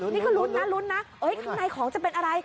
นี่คือรุ้นนะข้างในของจะเป็นอะไร